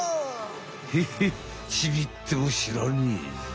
ヘッヘちびってもしらねえぜ。